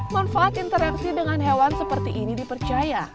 manfaat interaksi dengan hewan seperti ini dipercaya